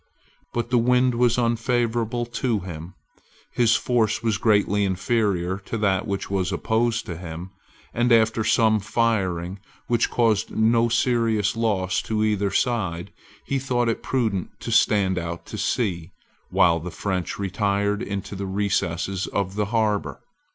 But the wind was unfavourable to him: his force was greatly inferior to that which was opposed to him; and after some firing, which caused no serious loss to either side, he thought it prudent to stand out to sea, while the French retired into the recesses of the harbour.